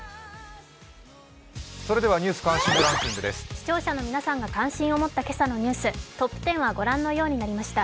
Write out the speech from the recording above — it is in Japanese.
視聴者の皆さんが関心を持った今朝のニュース、トップ１０はご覧のようになりました。